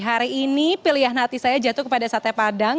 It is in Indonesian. hari ini pilihan hati saya jatuh kepada sate padang